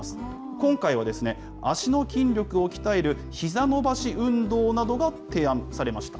今回は、足の筋力を鍛える、ひざ伸ばし運動などが提案されました。